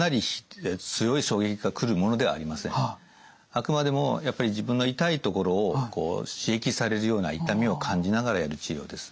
あくまでもやっぱり自分の痛いところをこう刺激されるような痛みを感じながらやる治療です。